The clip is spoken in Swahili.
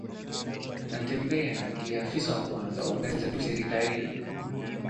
Natembeya ndiye afisa wa kwanza wa ngazi za juu serikalini